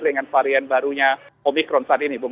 dengan varian barunya omikron